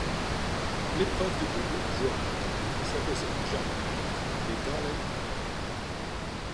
L'épreuve de double voit quant à elle s'imposer Jeanne Arth et Darlene Hard.